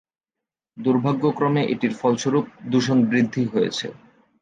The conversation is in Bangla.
দুর্ভাগ্যক্রমে এটির ফলস্বরূপ দূষণ বৃদ্ধি হয়েছে।